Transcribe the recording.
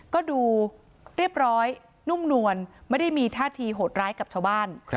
ก็ดูเรียบร้อยนุ่มนวลไม่ได้มีท่าทีโหดร้ายกับชาวบ้าน